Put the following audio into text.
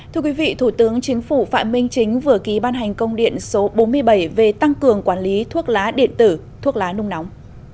thưa quý vị thủ tướng chính phủ phạm minh chính vừa ký ban hành công điện số bốn mươi bảy về tăng cường quản lý thuốc lá điện tử thuốc lá nung nóng